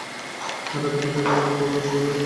Rebecca, ভেবে অত্যন্ত ভালো লাগছে যে আমি ভুল ছিলাম!